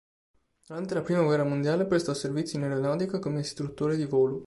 Durante la Prima guerra mondiale prestò servizio in aeronautica come istruttore di volo.